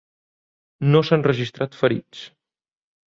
No s’han registrat ferits.